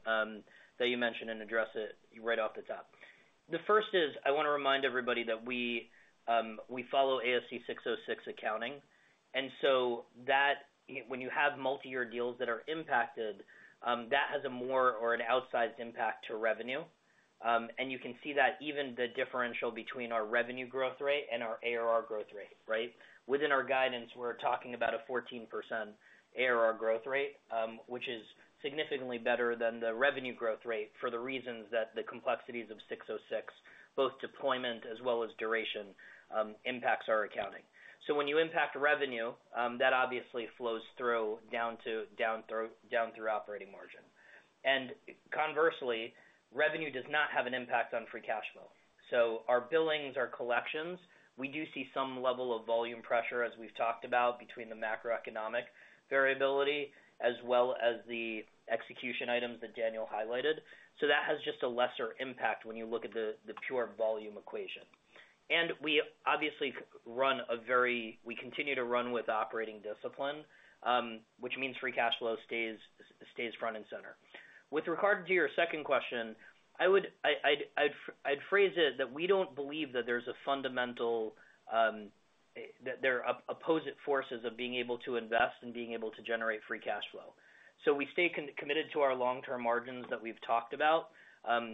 that you mentioned and address it right off the top. The first is, I wanna remind everybody that we, we follow ASC 606 accounting, and so that- when you have multi-year deals that are impacted, that has a more or an outsized impact to revenue. And you can see that even the differential between our revenue growth rate and our ARR growth rate, right? Within our guidance, we're talking about a 14% ARR growth rate, which is significantly better than the revenue growth rate for the reasons that the complexities of ASC 606, both deployment as well as duration, impacts our accounting. So when you impact revenue, that obviously flows through down to, down through, down through operating margin. And conversely, revenue does not have an impact on free cash flow. So our billings, our collections, we do see some level of volume pressure, as we've talked about, between the macroeconomic variability as well as the execution items that Daniel highlighted. So that has just a lesser impact when you look at the pure volume equation. And we obviously run a very... We continue to run with operating discipline, which means free cash flow stays front and center. With regard to your second question, I would, I'd phrase it that we don't believe that there's a fundamental that there are opposite forces of being able to invest and being able to generate free cash flow. So we stay committed to our long-term margins that we've talked about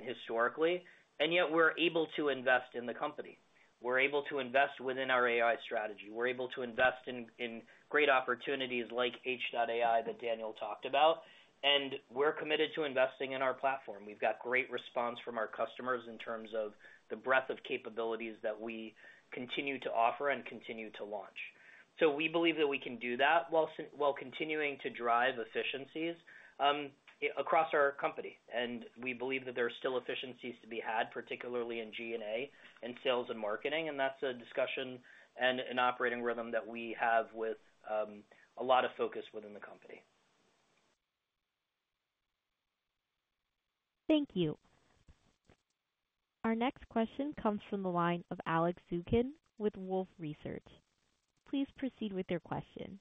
historically, and yet we're able to invest in the company. We're able to invest within our AI strategy. We're able to invest in great opportunities like H.AI, that Daniel talked about, and we're committed to investing in our platform. We've got great response from our customers in terms of the breadth of capabilities that we continue to offer and continue to launch. So we believe that we can do that while continuing to drive efficiencies across our company. And we believe that there are still efficiencies to be had, particularly in G&A and sales and marketing, and that's a discussion and an operating rhythm that we have with a lot of focus within the company. Thank you. Our next question comes from the line of Alex Zukin with Wolfe Research. Please proceed with your question.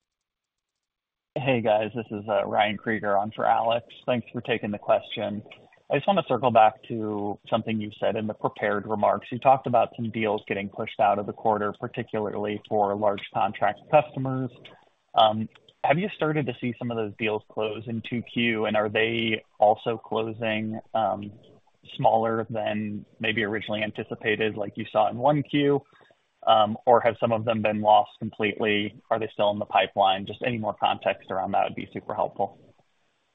Hey, guys, this is Ryan Krieger on for Alex Zukin. Thanks for taking the question. I just want to circle back to something you said in the prepared remarks. You talked about some deals getting pushed out of the quarter, particularly for large contract customers. Have you started to see some of those deals close in 2Q, and are they also closing smaller than maybe originally anticipated, like you saw in 1Q? Or have some of them been lost completely? Are they still in the pipeline? Just any more context around that would be super helpful.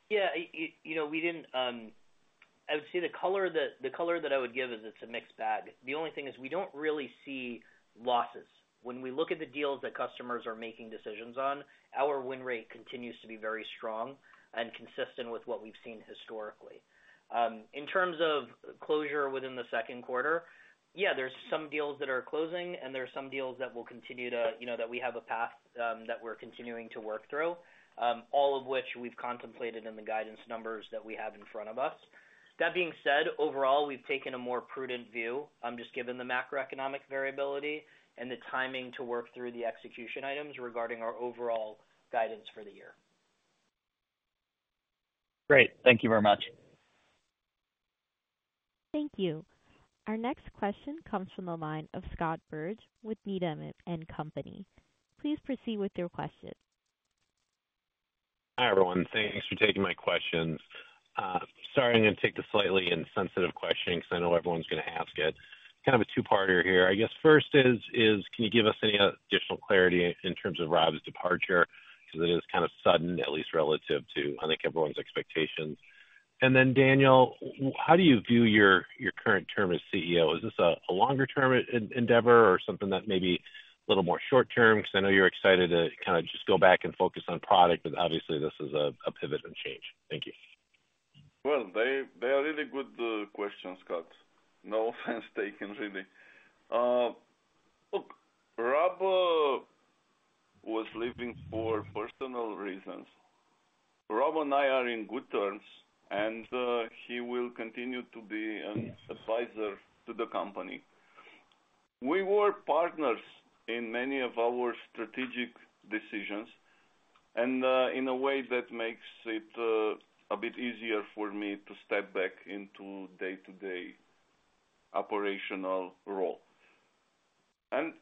Yeah, I, you know, we didn't – I would say the color that, the color that I would give is it's a mixed bag. The only thing is we don't really see losses. When we look at the deals that customers are making decisions on, our win rate continues to be very strong and consistent with what we've seen historically. In terms of closure within the second quarter, yeah, there's some deals that are closing, and there are some deals that will continue to, you know, that we have a path, that we're continuing to work through, all of which we've contemplated in the guidance numbers that we have in front of us. That being said, overall, we've taken a more prudent view, just given the macroeconomic variability and the timing to work through the execution items regarding our overall guidance for the year. Great. Thank you very much. Thank you. Our next question comes from the line of Scott Berg with Needham & Company. Please proceed with your question. Hi, everyone. Thanks for taking my questions. Sorry, I'm going to take the slightly insensitive question, because I know everyone's going to ask it. Kind of a two-parter here. I guess, first is, can you give us any additional clarity in terms of Rob's departure, because it is kind of sudden, at least relative to, I think, everyone's expectations. And then, Daniel, how do you view your, your current term as CEO? Is this a, a longer-term endeavor or something that may be a little more short term? Because I know you're excited to kind of just go back and focus on product, but obviously, this is a, a pivot and change. Thank you. Well, they are really good questions, Scott. No offense taken, really. Look, Rob was leaving for personal reasons. Rob and I are in good terms, and he will continue to be an advisor to the company. We were partners in many of our strategic decisions, and in a way that makes it a bit easier for me to step back into day-to-day operational role. And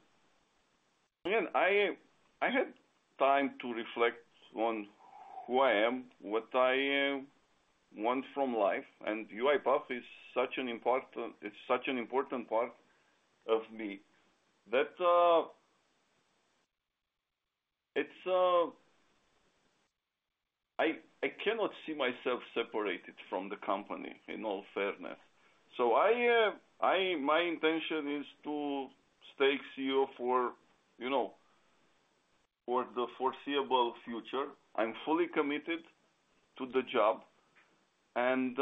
again, I had time to reflect on who I am, what I want from life, and UiPath is such an important- is such an important part of me, that... It's, I cannot see myself separated from the company, in all fairness. So my intention is to stay CEO for, you know, for the foreseeable future. I'm fully committed to the job, and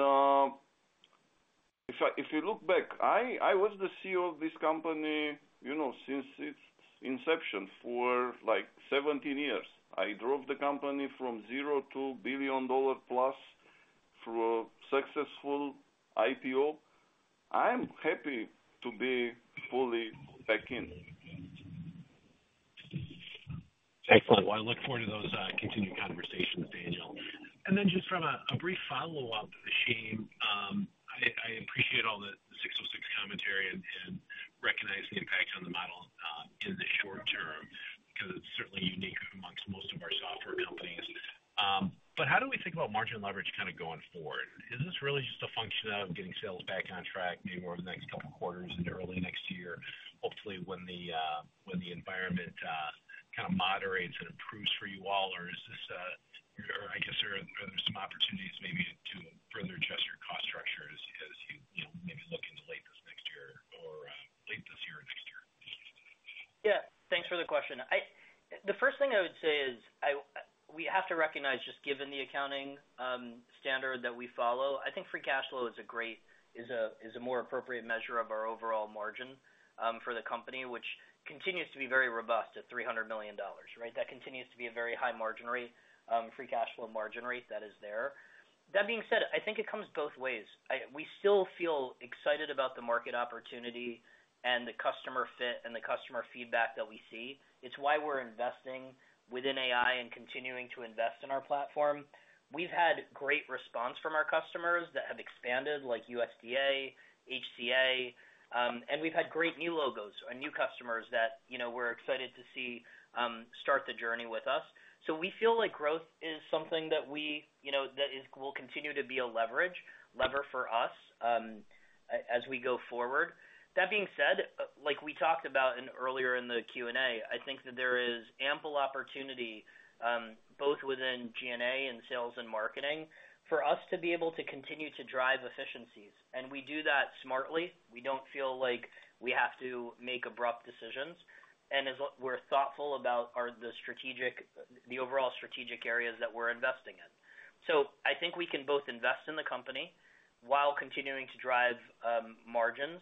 if you look back, I was the CEO of this company, you know, since its inception, for, like, 17 years. I drove the company from zero to billion dollar plus, through a successful IPO. I'm happy to be fully back in. Excellent. Well, I look forward to those continued conversations, Daniel. And then just from a brief follow-up to Ashim, I appreciate all the ASC 606 commentary and recognize the impact on the model in the short term, because it's certainly unique amongst most of our software companies. But how do we think about margin leverage kind of going forward? Is this really just a function of getting sales back on track, maybe over the next couple quarters and early next year, hopefully when the environment kind of moderates and improves for you all? Or is this, or I guess, are there some opportunities maybe to further adjust your cost structure as you you know, maybe look into late this next year or late this year or next year? Yeah. Thanks for the question. I-- The first thing I would say is, I, we have to recognize, just given the accounting standard that we follow, I think free cash flow is a great... is a, is a more appropriate measure of our overall margin for the company, which continues to be very robust at $300 million, right? That continues to be a very high margin rate, free cash flow margin rate, that is there. That being said, I think it comes both ways. I, we still feel excited about the market opportunity and the customer fit and the customer feedback that we see. It's why we're investing within AI and continuing to invest in our platform. We've had great response from our customers that have expanded, like USDA, HCA, and we've had great new logos and new customers that, you know, we're excited to see start the journey with us. So we feel like growth is something that we, you know, that is, will continue to be a leverage, lever for us, as we go forward. That being said, like we talked about earlier in the Q&A, I think that there is ample opportunity both within G&A and sales and marketing, for us to be able to continue to drive efficiencies. And we do that smartly. We don't feel like we have to make abrupt decisions. We're thoughtful about the strategic, the overall strategic areas that we're investing in. So I think we can both invest in the company while continuing to drive margins,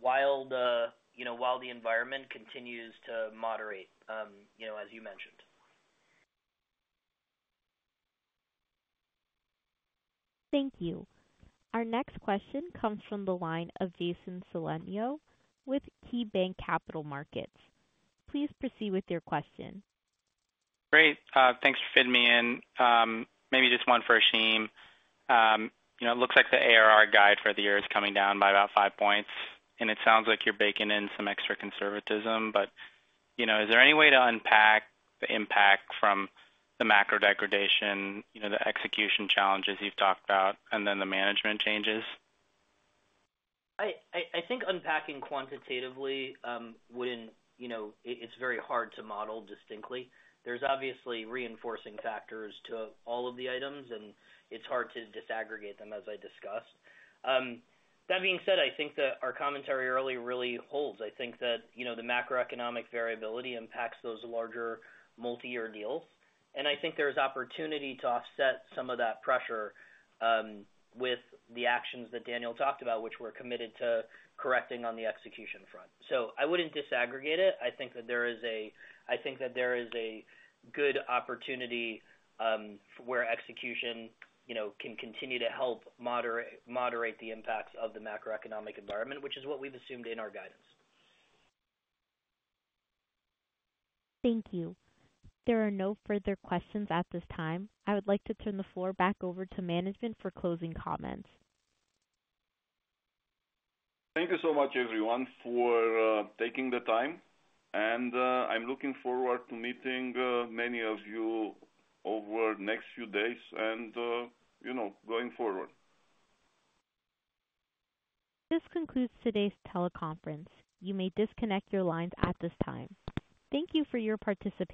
while the, you know, while the environment continues to moderate, you know, as you mentioned. Thank you. Our next question comes from the line of Jason Celino with KeyBanc Capital Markets. Please proceed with your question. Great. Thanks for fitting me in. Maybe just one for Ashim. You know, it looks like the ARR guide for the year is coming down by about 5 points, and it sounds like you're baking in some extra conservatism, but, you know, is there any way to unpack the impact from the macro degradation, you know, the execution challenges you've talked about, and then the management changes? I think unpacking quantitatively, you know, it's very hard to model distinctly. There's obviously reinforcing factors to all of the items, and it's hard to disaggregate them, as I discussed. That being said, I think that our commentary early really holds. I think that, you know, the macroeconomic variability impacts those larger multiyear deals, and I think there's opportunity to offset some of that pressure, with the actions that Daniel talked about, which we're committed to correcting on the execution front. So I wouldn't disaggregate it. I think that there is a good opportunity, where execution, you know, can continue to help moderate the impacts of the macroeconomic environment, which is what we've assumed in our guidance. Thank you. There are no further questions at this time. I would like to turn the floor back over to management for closing comments. Thank you so much, everyone, for taking the time, and I'm looking forward to meeting many of you over next few days and you know, going forward. This concludes today's teleconference. You may disconnect your lines at this time. Thank you for your participation.